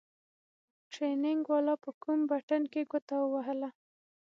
ټرېننگ والا په کوم بټن کښې گوته ووهله.